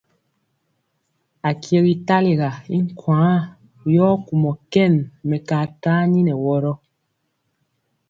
Akyegi talega i nkwaaŋ, yɔ kumɔ kɛn mɛkaa tani nɛ wɔrɔ.